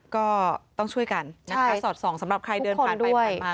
ก็ต้องช่วยกันนะคะสอดส่องสำหรับใครเดินผ่านไปผ่านมา